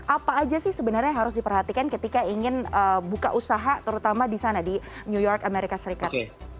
apa aja sih sebenarnya yang harus diperhatikan ketika ingin buka usaha terutama di sana di new york amerika serikat